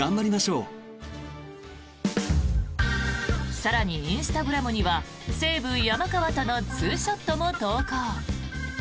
更に、インスタグラムには西武、山川とのツーショットも投稿。